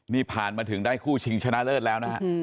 นี่ผ่านมาถึงได้คู่ชิงชนะเลิศแล้วนะฮะ